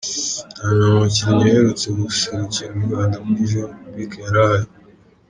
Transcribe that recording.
Nana umukinnyi uherutse guserukira u Rwanda muri Jeux Olympique yari ahari.